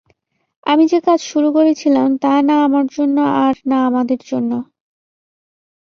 আমি যে কাজ শুরু করেছিলাম তা না আমার জন্য আর না আমাদের জন্য।